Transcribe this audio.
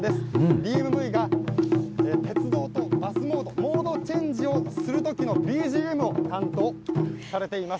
ＤＭＶが鉄道とバスモード、モードチェンジをするときのＢＧＭを担当されています。